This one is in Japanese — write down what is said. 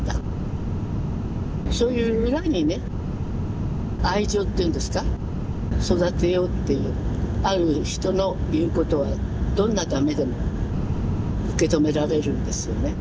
そういう裏にね愛情っていうんですか育てようっていうある人の言うことはどんなダメでも受け止められるんですよね。